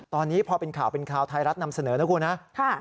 ตอนนี้พอเป็นข่าวเป็นข่าวไทยรัฐนำเสนอนะครับ